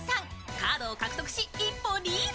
カードを獲得し、一歩リード。